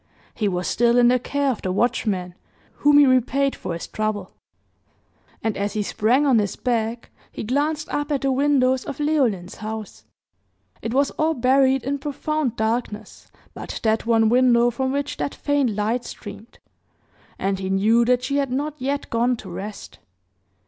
He was still in the care of the watchman, whom he repaid for his trouble; and as he sprang on his back, he glanced up at the windows of Leoline's house. It was all buried in profound darkness but that one window from which that faint light streamed, and he knew that she had not yet gone to rest.